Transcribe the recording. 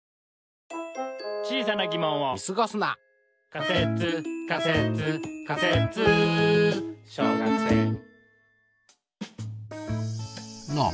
「仮説仮説仮説小学生」なあ